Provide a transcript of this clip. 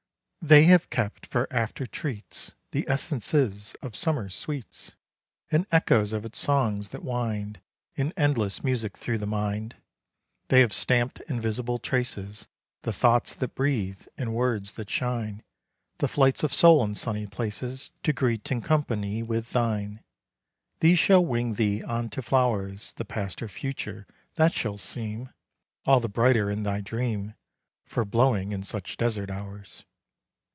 They have kept for after treats The essences of summer sweets, And echoes of its songs that wind In endless music through the mind: They have stamp'd in visible traces The "thoughts that breathe," in words that shine The flights of soul in sunny places To greet and company with thine. These shall wing thee on to flow'rs The past or future, that shall seem All the brighter in thy dream For blowing in such desert hours.